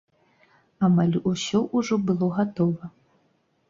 Амаль усё ўжо было гатова.